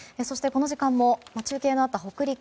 この時間も中継のあった北陸